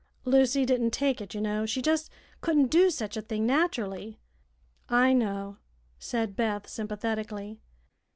Lucy didn't take it, ye know. She jes' couldn't do sech a thing, natcherly." "I know," said Beth, sympathetically.